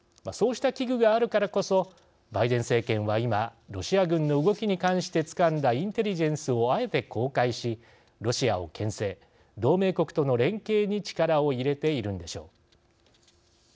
そうした危惧があるからこそバイデン政権は今ロシア軍の動きに関してつかんだインテリジェンスをあえて公開し、ロシアをけん制同盟国との連携に力を入れているのでしょう。